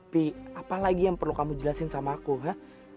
pi apa lagi yang perlu kamu jelasin sama aku ha